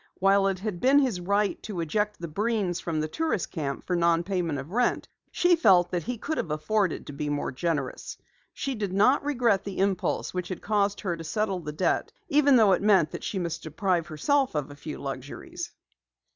While it had been his right to eject the Breens from the tourist camp for non payment of rent, she felt that he could have afforded to be more generous. She did not regret the impulse which had caused her to settle the debt even though it meant that she must deprive herself of a few luxuries.